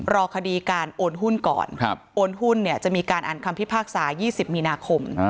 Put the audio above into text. รอคดีการโอนหุ้นก่อนโอนหุ้นเนี่ยจะมีการอ่านคำพิพากษา๒๐มีนาคม